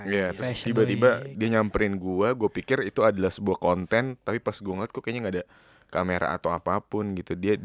iya terus tiba tiba dia nyamperin gue gue pikir itu adalah sebuah konten tapi pas gue ngeliat kok kayaknya gak ada kamera atau apapun gitu